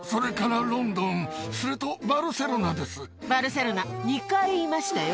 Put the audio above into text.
バルセロナ２回言いましたよ。